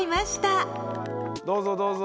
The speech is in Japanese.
どうぞどうぞ。